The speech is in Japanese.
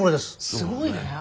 すごいね。